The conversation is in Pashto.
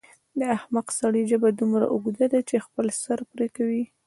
د احمق سړي ژبه دومره اوږده ده چې خپل سر پرې کوي.